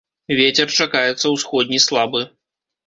Вецер чакаецца ўсходні слабы.